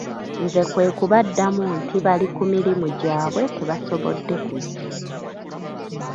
Nze kwe kubaddamu nti bali ku mirimu gyabwe tebasobodde kujja.